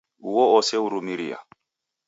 Uo ose urumiria